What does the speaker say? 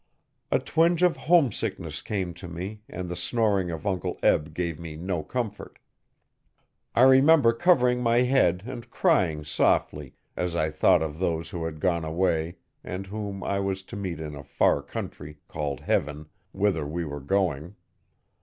A twinge of homesickness came to me and the snoring of Uncle Eb gave me no comfort. I remember covering my head and crying softly as I thought of those who had gone away and whom I was to meet in a far country, called Heaven, whither we were going.